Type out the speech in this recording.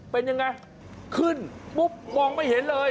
เป็นยังไงขึ้นปุ๊บมองไม่เห็นเลย